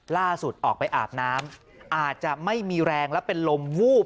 ออกไปอาบน้ำอาจจะไม่มีแรงและเป็นลมวูบ